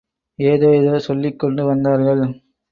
ஏதேதோ சொல்லிக்கொண்டு வந்தார்கள்.